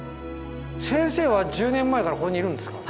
先生は１０年前からここにいるんですか？